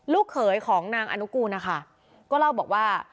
เขยของนางอนุกูลนะคะก็เล่าบอกว่า